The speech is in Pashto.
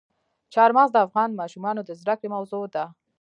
چار مغز د افغان ماشومانو د زده کړې موضوع ده.